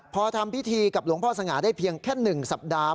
พอทำพิธีกับหลวงพ่อสง่าได้เพียงแค่๑สัปดาห์